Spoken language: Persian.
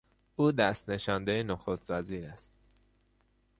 او دست نشانده نخستوزیر است.